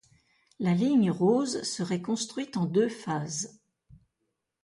La ligne rose serait construite en deux phases.